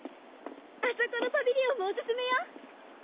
あそこのパビリオンもお薦めよ。